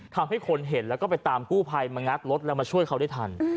ทำให้คนเห็นแล้วก็ไปตามกู้ภัยมางัดรถแล้วมาช่วยเขาได้ทัน